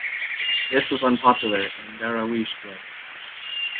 This was unpopular and darawiish fled.